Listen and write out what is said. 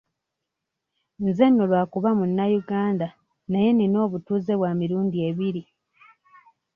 Nze nno lwakuba munnayuganda naye nina obutuuze bwa mirundi ebiri.